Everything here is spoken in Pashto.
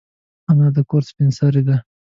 انا د کور سپین سرې ده